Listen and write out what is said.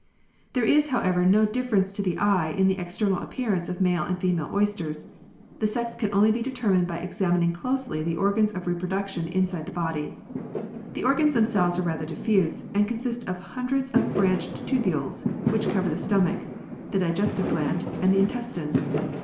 There is however ho difference to the eye in the external appearance of male and female oysters ; the sex can only be determined by examining closely the organs of reproduction inside the body. The organs themselves are rather diffuse, and consist of hundreds of branched tubules which cover the stomach, the digestive gland, and the intestine.